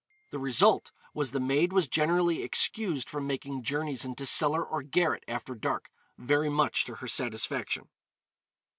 The result was the maid was generally excused from making journeys into cellar or garret after dark, very much to her satisfaction.